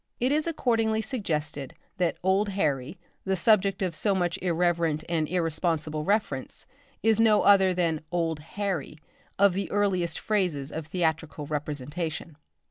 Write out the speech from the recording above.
It is accordingly suggested that "old Harry," the subject of so much irreverent and irresponsible reference, is no other than "old hairy" of the earliest phases of theatrical representation.